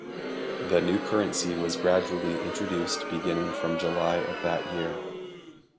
The new currency was gradually introduced beginning from July of that year.